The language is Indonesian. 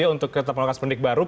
untuk melakukan pendidik baru